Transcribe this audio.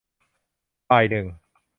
บ่ายหนึ่ง